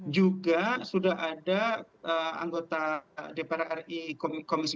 juga sudah ada anggota dpr ri komisi dua